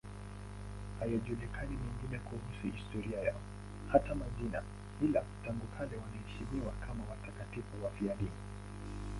Hayajulikani mengine kuhusu historia yao, hata majina, ila tangu kale wanaheshimiwa kama watakatifu wafiadini.